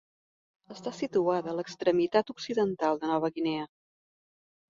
Està situada a l'extremitat occidental de Nova Guinea.